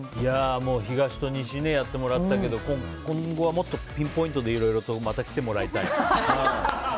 もう東と西やってもらったけど今後はもっとピンポイントでまた来てもらいたい。